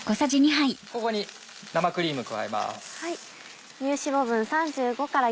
ここに生クリーム加えます。